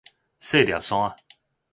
細粒山